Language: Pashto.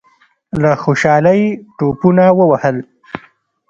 له خوشالۍ ټوپونه ووهل.